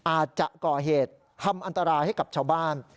อาจจะก่อเหตุทำอันตรายให้กับชาวบ้าน